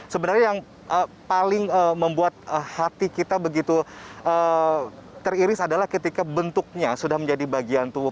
sebenarnya yang paling membuat hati kita begitu teriris adalah ketika bentuknya sudah menjadi bagian tubuh